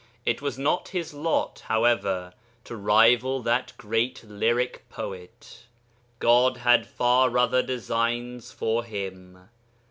It was not his lot, however, to rival that great lyric poet; God had far other designs for him.